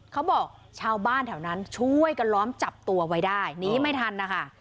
ชาวบ้านแถวนั้นช่วยกันล้อมจับตัวไว้ได้หนีไม่ทันนะคะ